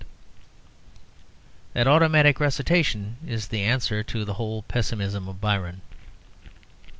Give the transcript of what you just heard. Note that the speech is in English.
That automatic recitation is the answer to the whole pessimism of Byron.